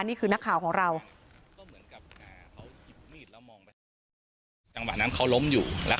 นี่คือนักข่าวของเรา